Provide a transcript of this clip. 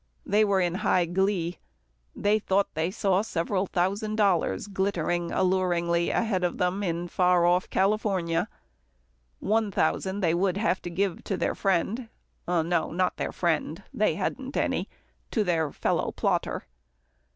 They were in high glee. They thought they saw several thousand dollars glittering alluringly ahead of them in far off California. One thousand they would have to give to their friend no, not their friend, they hadn't any to their fellow plotter.